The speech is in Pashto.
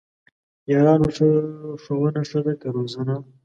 یارانو ! ښوونه ښه ده که روزنه؟!